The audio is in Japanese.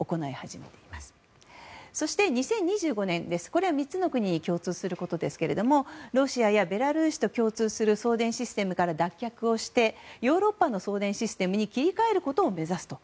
これは３つの国に共通しますがロシアやベラルーシと共通する送電システムから脱却をしてヨーロッパの送電システムに切り替えることを目指すと。